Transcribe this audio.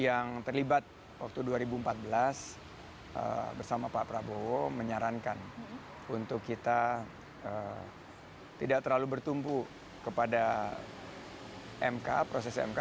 yang terlibat waktu dua ribu empat belas bersama pak prabowo menyarankan untuk kita tidak terlalu bertumpu kepada mk proses mk